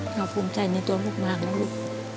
เราภูมิใจในตัวลูกมากนะลูก